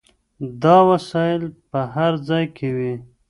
دا وسایل به هر ځای وي.